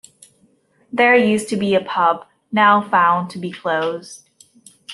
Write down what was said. There used to be a pub, now found to be closed.